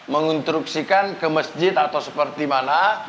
menginstruksikan ke masjid atau seperti mana